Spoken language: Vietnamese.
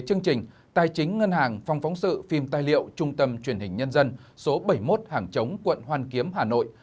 chương trình tài chính ngân hàng phòng phóng sự phim tài liệu trung tâm truyền hình nhân dân số bảy mươi một hàng chống quận hoàn kiếm hà nội